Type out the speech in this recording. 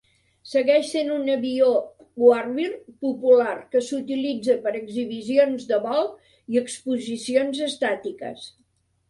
Segueix sent un avió warbird popular que s'utilitza per exhibicions de vol i exposicions estàtiques.